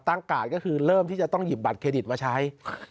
การ์ดก็คือเริ่มที่จะต้องหยิบบัตรเครดิตมาใช้